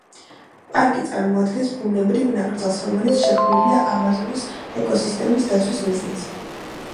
პარკი წარმოადგენს ბუნებრივ ნაკრძალს, რომელიც შექმნილია ამაზონის ეკოსისტემის დაცვის მიზნით.